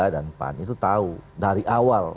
dan pan itu tahu dari awal